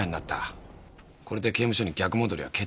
これで刑務所に逆戻りは決定的だな。